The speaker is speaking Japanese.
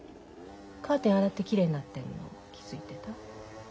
カーテン洗ってきれいになってんの気付いてた？